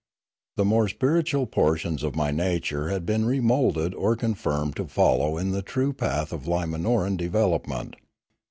The more spiritual portions of my nature had been remoulded or confirmed to follow in the true path of Limanoran development.